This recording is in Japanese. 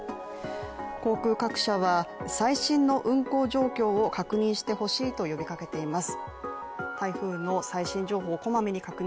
航空各社は最新の運航状況を確認してほしいと呼びかけています。